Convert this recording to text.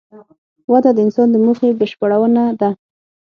وده د انسان د موخې بشپړونه ده.